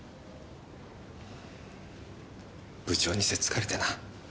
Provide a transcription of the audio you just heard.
部長にせっつかれてな。